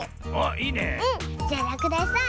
じゃらくだしさん